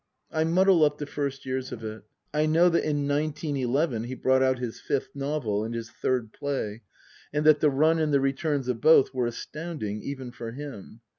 I muddle up the first years of it. I know that in nineteen eleven he brought out his fifth novel and his third play and that the run and the returns of both were astounding, even for him.